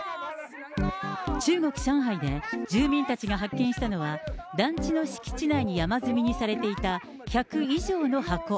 中国・上海で住民たちが発見したのは、団地の敷地内に山積みにされていた１００以上の箱。